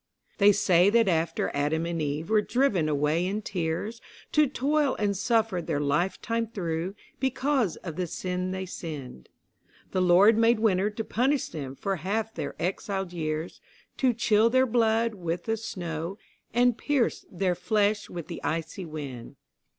They say that after Adam and Eve were driven away in tears To toil and suffer their life time through, because of the sin they sinned, The Lord made Winter to punish them for half their exiled years, To chill their blood with the snow, and pierce their flesh with the icy wind.